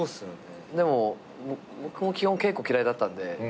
でも僕も基本稽古嫌いだったんで。